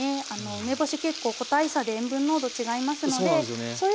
梅干し結構個体差で塩分濃度違いますので。